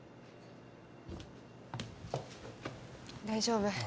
大丈夫？